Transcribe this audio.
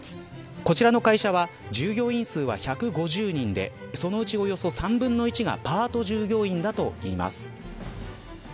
こちらの会社は従業員数は１５０人でそのうち、およそ３分の１がパート従業員だといいます。